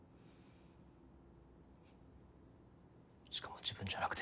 しかも自分じゃなくて。